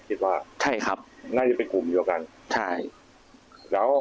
คิดว่าน่าจะเป็นกลุ่มอยู่กันใช่ครับ